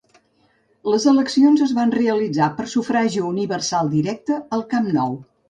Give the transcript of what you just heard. Les eleccions es van realitzar per sufragi universal directe, al Camp Nou.